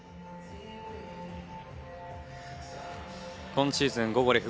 今シーズンゴゴレフ